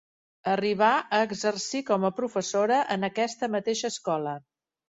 Arribà a exercir com a professora en aquesta mateixa escola.